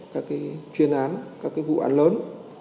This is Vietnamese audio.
các cái chuyên án các cái vụ án lớn